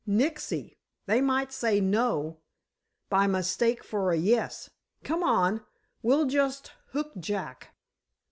"Nixy. They might say no, by mistake for a yes. Come on—we'll just hook Jack."